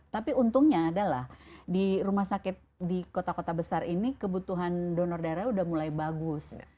tapi untungnya adalah di rumah sakit di kota kota besar ini kebutuhan donor darah sudah mulai bagus